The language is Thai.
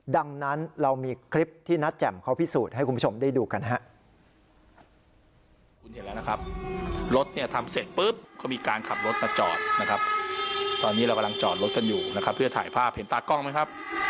ดังนั้นเรามีคลิปที่นัดแจ่มเขาพิสูจน์ให้คุณผู้ชมได้ดูกันครับ